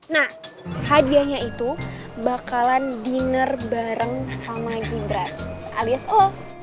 nah hadiahnya itu bakalan dinger bareng sama gibran alias lo